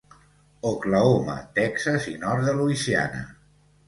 Oklahoma, Texas i nord de Louisiana.